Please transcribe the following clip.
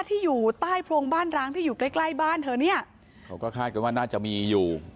ที่อยู่ใต้โพรงบ้านร้างที่อยู่ใกล้ใกล้บ้านเธอเนี่ยเขาก็คาดกันว่าน่าจะมีอยู่